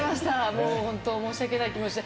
もう本当、申し訳ない気持ちで。